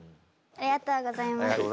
ありがとうございます。